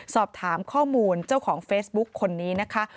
สอบถามข้อมูลเจ้าของเฟซบุ๊คคนนี้นะคะ